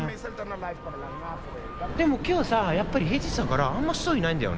でも今日さやっぱり平日だからあんま人いないんだよね。